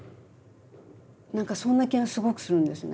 何かそんな気がすごくするんですね。